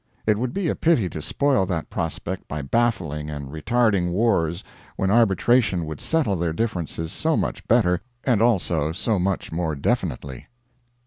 It would be a pity to spoil that prospect by baffling and retarding wars when arbitration would settle their differences so much better and also so much more definitely.